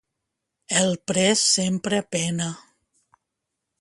El pres sempre pena.